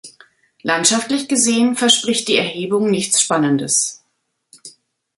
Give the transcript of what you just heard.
Landschaftlich gesehen verspricht die Erhebung nichts Spannendes.